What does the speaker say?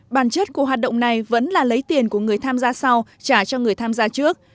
bản chất của hoạt động này vẫn là lấy tiền của người tham gia sau trả cho người tham gia trước